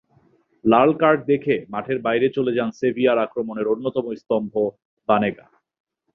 লাল card দেখে মাঠের বাইরে চলে যান সেভিয়ার আক্রমণের অন্যতম স্তম্ভ বানেগা।